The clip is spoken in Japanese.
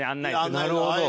なるほど。